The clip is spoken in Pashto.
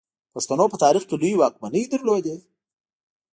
پښتنو په تاریخ کې لویې واکمنۍ درلودې